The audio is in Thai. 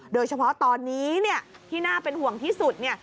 โดยเฉพาะตอนนี้เนี่ยที่น่าเป็นห่วงที่สุดเนี่ย